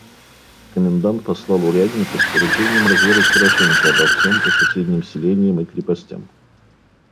Комендант послал урядника с поручением разведать хорошенько обо всем по соседним селениям и крепостям.